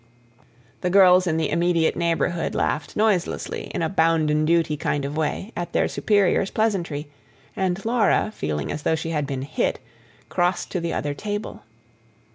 The girls in the immediate neighbourhood laughed noiselessly, in a bounden duty kind of way, at their superior's pleasantry, and Laura, feeling as though she had been hit, crossed to the other table.